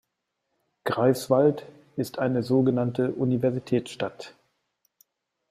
Greifswald ist eine sogenannte Universitätsstadt.